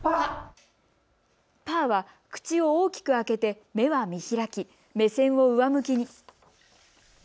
パーは口を大きく開けて目は見開き目線を上向きに。